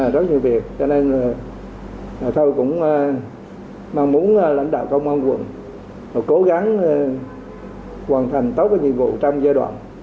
đối với việc cho nên tôi cũng mong muốn lãnh đạo công an quận cố gắng hoàn thành tốt cái nhiệm vụ trong giai đoạn